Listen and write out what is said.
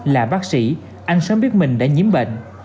là bác sĩ anh sớm biết mình đã nhiễm bệnh